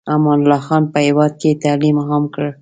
امان الله خان په هېواد کې تعلیم عام کړ.